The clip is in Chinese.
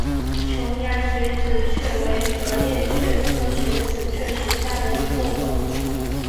琼崖穴子蕨为禾叶蕨科穴子蕨属下的一个种。